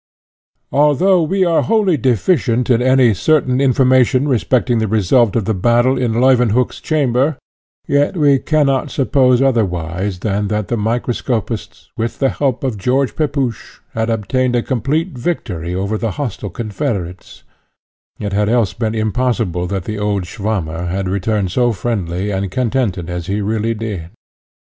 Although we are wholly deficient in any certain information respecting the result of the battle in Leuwenhock's chamber, yet we cannot suppose otherwise than that the microscopists, with the help of George Pepusch, had obtained a complete victory over the hostile confederates: it had else been impossible that the old Swammer had returned so friendly and contented as he really did.